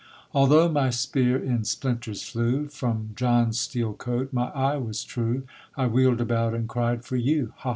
_ Although my spear in splinters flew, From John's steel coat, my eye was true; I wheel'd about, and cried for you, _Hah!